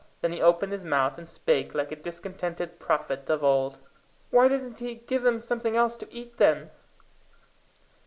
Then he opened his mouth and spake like a discontented prophet of old: "Why doesn't he give them something else to eat, then?"